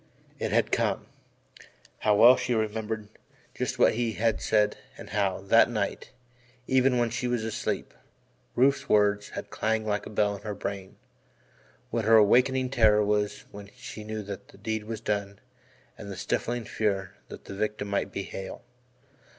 It had come how well she remembered just what he had said and how, that night, even when she was asleep, Rufe's words had clanged like a bell in her brain what her awakening terror was when she knew that the deed was done and the stifling fear that the victim might be Hale.